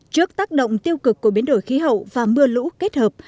trước tác động tiêu cực của biến đổi khí hậu và mưa lũ kết hợp